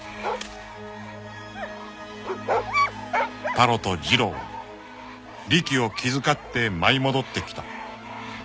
［タロとジロリキを気遣って舞い戻ってきた］